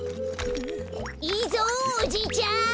いいぞおじいちゃん。